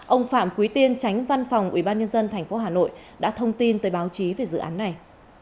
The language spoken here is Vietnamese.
ông phạm quý tiên tránh văn phòng ủy ban nhân dân tp hà nội đã thông tin tới báo chí về dự án này